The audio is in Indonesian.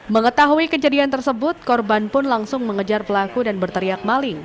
mengetahui kejadian tersebut korban pun langsung mengejar pelaku dan berteriak maling